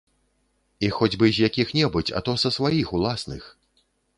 І хоць бы з якіх-небудзь, а то са сваіх уласных.